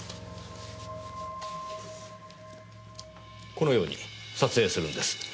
このように撮影するんです。